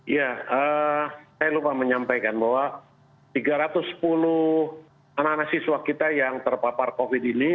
ya saya lupa menyampaikan bahwa tiga ratus sepuluh anak anak siswa kita yang terpapar covid ini